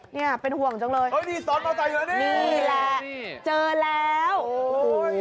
นี่เป็นห่วงจังเลยนี่แหละเจอแล้วโอ้โห